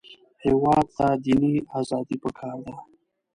هېواد ته دیني ازادي پکار ده